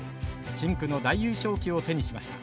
深紅の大優勝旗を手にしました。